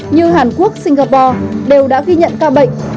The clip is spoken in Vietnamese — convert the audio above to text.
như hàn quốc singapore đều đã ghi nhận ca bệnh